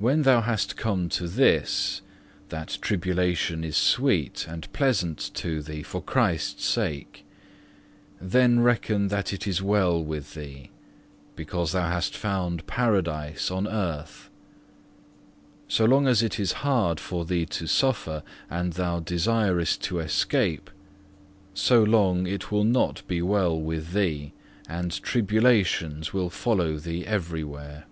11. When thou hast come to this, that tribulation is sweet and pleasant to thee for Christ's sake, then reckon that it is well with thee, because thou hast found paradise on earth. So long as it is hard to thee to suffer and thou desirest to escape, so long it will not be well with thee, and tribulations will follow thee everywhere.